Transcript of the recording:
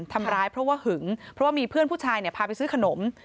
ทำร้ายเพราะว่าหึงเพราะว่ามีเพื่อนผู้ชายพาไปซื้อขนม